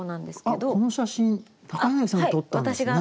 この写真高柳さんが撮ったんですね。